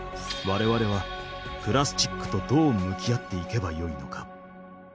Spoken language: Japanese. われわれはプラスチックとどう向き合っていけばよいのか。